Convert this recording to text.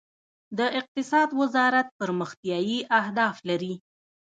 د اقتصاد وزارت پرمختیايي اهداف لري؟